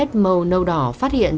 các dấu vết màu nâu đỏ phát hiện